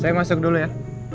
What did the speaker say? saya masuk dulu ya